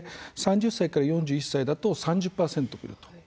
３０歳から４１歳だと３０％いると。